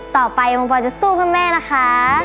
ต่อไปผมจะสู้เพื่อแม่นะคะ